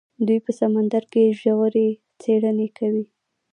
دوی په سمندر کې ژورې څیړنې کوي.